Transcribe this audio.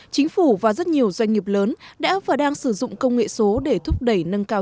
chính phủ và rất nhiều doanh nghiệp lớn đã và đang sử dụng công nghệ số để thúc đẩy nâng cao